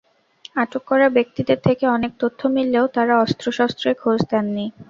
আটক করা ব্যক্তিদের থেকে অনেক তথ্য মিললেও তাঁরা অস্ত্রশস্ত্রের খোঁজ দেননি।